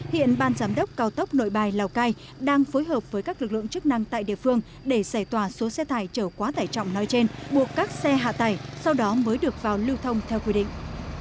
hiện ban giám đốc cao tốc nội bài lào cai đang phối hợp với các lực lượng chức năng tại địa phương để giải tỏa số xe tải chở quá tải trọng nói trên buộc các xe hạ tải sau đó mới được vào lưu thông theo quy định